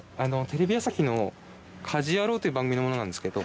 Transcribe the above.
テレビ朝日の『家事ヤロウ！！！』という番組の者なんですけど。